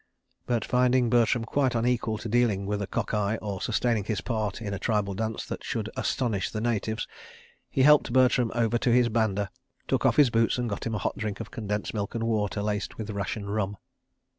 ..." But finding Bertram quite unequal to dealing with a cock eye or sustaining his part in a tribal dance that should "astonish the natives," he helped Bertram over to his banda, took off his boots and got him a hot drink of condensed milk and water laced with ration rum.